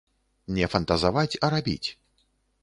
Не фантазаваць, а рабіць.